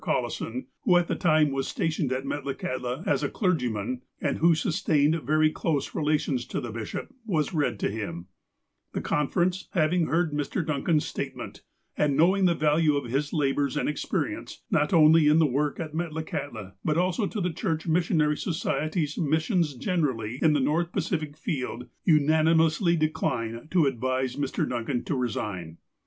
CoUison, who at the time was stationed at Metlakahtla as a clergyman, and who sustained very close relations to the bishop, was read to him : "The conference, having heard Mr. Duncan's statement, and knowing the value of his labours and experience, not only in the work at Metlakahtla, but also to the Church Missionary Society's missions generally in the North Pacific field, unan imously decline to advise Mr. Duncan to resign."